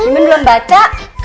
mimin belum baca